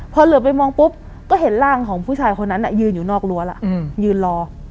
พอเหลือไปมองปุ๊บก็เห็นร่างของผู้ชายคนนั้นยืนอยู่นอกรั้วล่ะยืนรอ